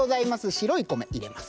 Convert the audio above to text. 白い米入れます。